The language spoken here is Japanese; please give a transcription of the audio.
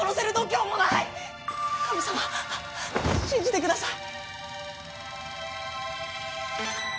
神様信じてください！